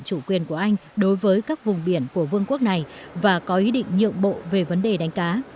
eu đã chấp nhận chủ quyền của anh đối với các vùng biển của vương quốc này và có ý định nhượng bộ về vấn đề đánh cá